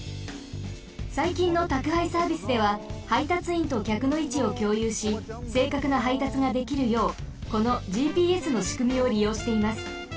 さいきんのたくはいサービスでははいたついんときゃくのいちをきょうゆうしせいかくなはいたつができるようこのＧＰＳのしくみをりようしています。